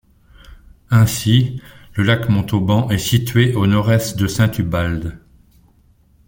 Ainsi, le lac Montauban est situé au nord-est de Saint-Ubalde.